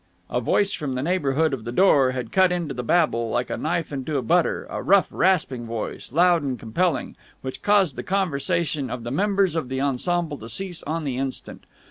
A voice from the neighbourhood of the door had cut into the babble like a knife into butter; a rough, rasping voice, loud and compelling, which caused the conversation of the members of the ensemble to cease on the instant.